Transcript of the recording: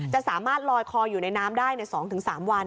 จะสามารถลอยคออยู่ในน้ำได้ใน๒๓วัน